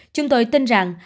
chúng tôi tin rằng